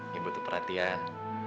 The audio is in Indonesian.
ini butuh perhatian